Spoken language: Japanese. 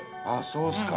そうですか。